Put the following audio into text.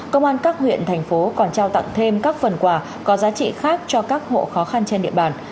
công an các huyện thành phố còn trao tặng thêm các phần quà có giá trị khác cho các hộ khó khăn trên địa bàn